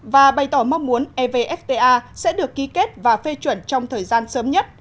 và bày tỏ mong muốn evfta sẽ được ký kết và phê chuẩn trong thời gian sớm nhất